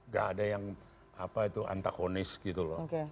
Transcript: gak ada yang antagonis gitu loh